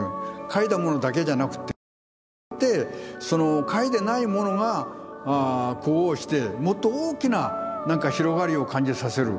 描いたものだけじゃなくてそれによって描いてないものが呼応してもっと大きななんか広がりを感じさせる。